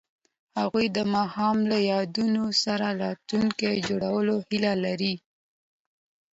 هغوی د ماښام له یادونو سره راتلونکی جوړولو هیله لرله.